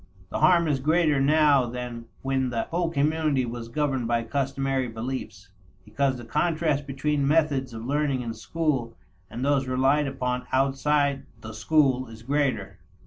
The harm is greater now than when the whole community was governed by customary beliefs, because the contrast between methods of learning in school and those relied upon outside the school is greater.